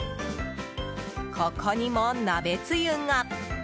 ここにも鍋つゆが。